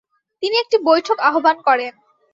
তিনি একটি বৈঠক আহ্বান করেন ।